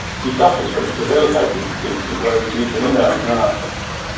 He suffers from a debilitating disease in where he needs an in-home nurse.